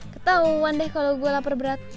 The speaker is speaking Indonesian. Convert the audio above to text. ketahuan deh kalau gue lapar berat